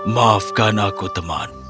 maafkan aku teman